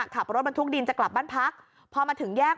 ขับรถบรรทุกดินจะกลับบ้านพักพอมาถึงแยก